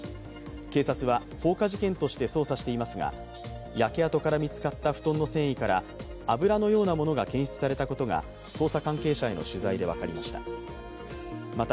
警察は放火事件として捜査していますが、焼け跡から見つかった布団の繊維から、油のようなものが検出されたことが捜査関係者への取材で分かりました。